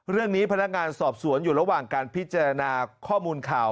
พนักงานสอบสวนอยู่ระหว่างการพิจารณาข้อมูลข่าว